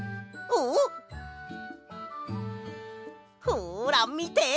ほらみて！